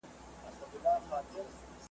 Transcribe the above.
زه اوس کتابونه نه لولم